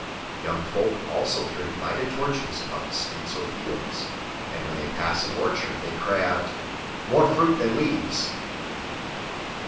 Young folk also carry lighted torches about the streets or the fields, and when they pass an orchard they cry out, "More fruit than leaves!"